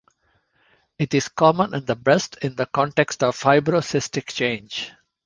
It is common in the breast in the context of fibrocystic change.